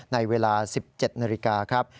ในเวลา๑๗นาฬิกาครับ